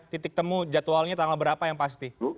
titik temu jadwalnya tanggal berapa yang pasti